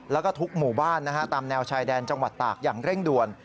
แล้วก็ทุกหมู่บ้านตามแนวชายแดนจังหวัดตากอย่างเร่งด่วน